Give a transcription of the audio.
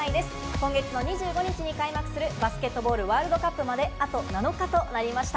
今月の２５日に開幕するバスケットボールワールドカップまで、あと７日となりました。